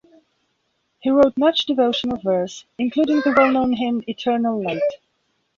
He wrote much devotional verse, including the well-known hymn 'Eternal Light!